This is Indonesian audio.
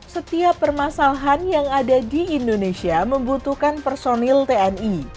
setiap permasalahan yang ada di indonesia membutuhkan personil tni